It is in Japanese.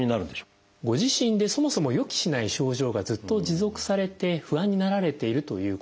ご自身でそもそも予期しない症状がずっと持続されて不安になられているということ。